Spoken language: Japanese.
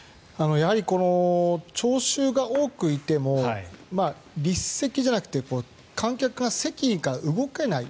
やはりこの聴衆が多くいても立席じゃなくて観客が席が動けない